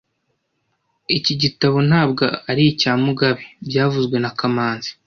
Iki gitabo ntabwo ari icya Mugabe byavuzwe na kamanzi